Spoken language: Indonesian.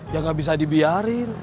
ya gak bisa dibiarin